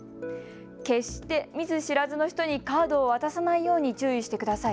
決して見ず知らずの人にカードを渡さないように注意してください。